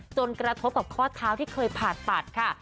กระทบกับข้อเท้าที่เคยผ่าตัดค่ะ